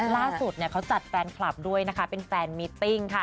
ล่าสุดเขาจัดแฟนคลับด้วยนะคะเป็นแฟนมิตติ้งค่ะ